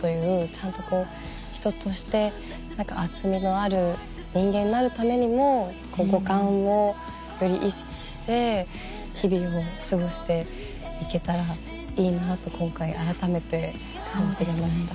ちゃんと人として厚みのある人間になるためにも五感をより意識して日々を過ごして行けたらいいなと今回改めて感じられました。